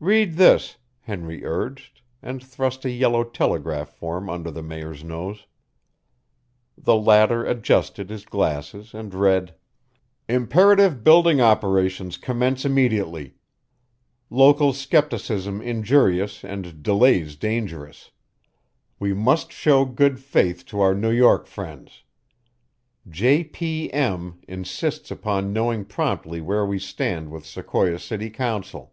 "Read this," Henry urged, and thrust a yellow telegraph form under the Mayor's nose. The latter adjusted his glasses and read: Imperative building operations commence immediately. Local skepticism injurious and delays dangerous. We must show good faith to our New York friends. J. P. M. insists upon knowing promptly where we stand with Sequoia city council.